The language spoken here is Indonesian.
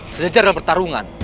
sejajar dalam pertarungan